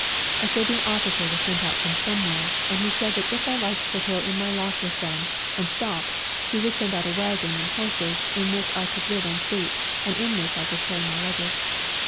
A Serbian officer was sent out from somewhere, and he said that if I liked to throw in my lot with them and stop he would send out a wagon and horses, in which I could live and sleep, and in which I could carry my luggage.